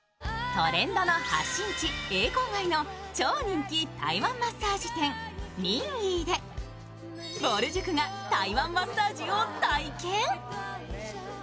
トレンドの発信地・永康街の超人気台湾マッサージ店ミンイーでぼる塾が台湾マッサージを体験。